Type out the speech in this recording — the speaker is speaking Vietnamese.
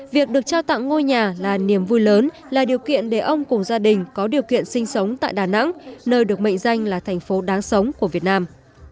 việc được trao tặng ngôi nhà là niềm vui lớn là điều kiện để ông cùng gia đình có điều kiện sinh sống tại đà nẵng nơi được mệnh danh là thành phố đáng sống của việt nam